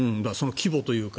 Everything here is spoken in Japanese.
規模というか。